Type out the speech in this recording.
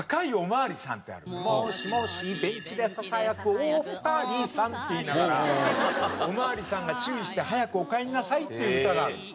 「もしもしベンチでささやくお二人さん」って言いながらお巡りさんが注意して早くお帰んなさいっていう歌がある。